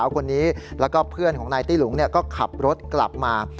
ก็ขับรถกลับมา